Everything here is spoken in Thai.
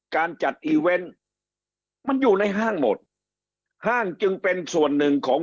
การจัดอีเวนต์มันอยู่ในห้างหมดห้างจึงเป็นส่วนหนึ่งของ